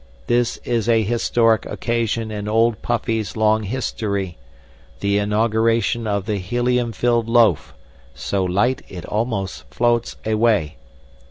This is a historic occasion in Old Puffy's long history, the inauguration of the helium filled loaf ('So Light It Almost Floats Away!')